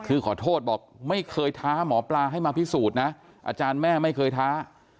คือขอโทษบอกไม่เคยท้าหมอปลาให้มาพิสูจน์นะอาจารย์แม่ไม่เคยท้า